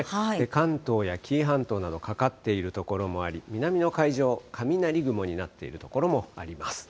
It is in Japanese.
関東や紀伊半島などかかっている所もあり、南の海上、雷雲になっている所もあります。